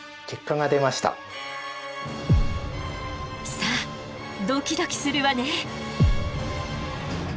さあドキドキするわね！